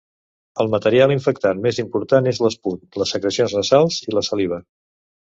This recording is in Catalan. El material infectant més important és l'esput, les secrecions nasals i la saliva.